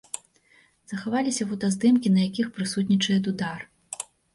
Захаваліся фотаздымкі на якіх прысутнічае дудар.